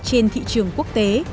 trên thị trường quốc tế